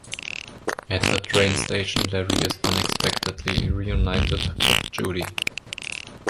At the train station, Larry is unexpectedly reunited with Judy.